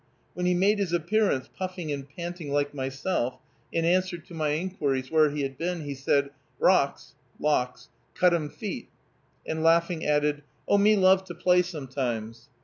When he made his appearance, puffing and panting like myself, in answer to my inquiries where he had been, he said, "Rocks (locks) cut 'em feet," and, laughing, added, "Oh, me love to play sometimes."